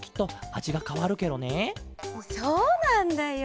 そうなんだよ。